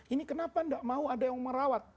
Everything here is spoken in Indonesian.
ini kenapa tidak mau ada yang merawat